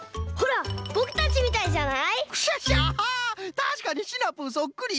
たしかにシナプーそっくり！